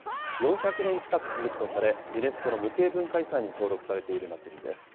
４００年近く続くとされ、ユネスコの無形文化遺産に登録されている祭りです。